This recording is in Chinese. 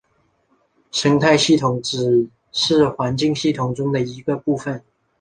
生态系统只是环境系统中的一个部分。